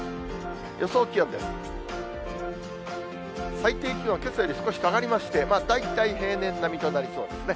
最低気温はけさより少し下がりまして、大体平年並みとなりそうですね。